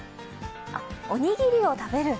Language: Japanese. あっ、おにぎりを食べる？